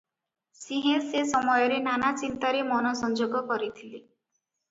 ସିଂହେ ସେ ସମୟରେ ନାନା ଚିନ୍ତାରେ ମନ ସଂଯୋଗ କରିଥିଲେ ।